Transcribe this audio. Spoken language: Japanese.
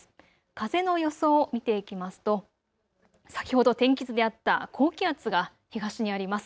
風の予想を見ていきますと先ほど天気図であった高気圧が東にあります。